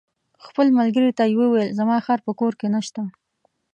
خپل ملګري ته یې وویل: زما خر په کور کې نشته.